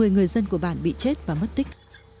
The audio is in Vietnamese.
một mươi người dân của bản bị chết và mất tích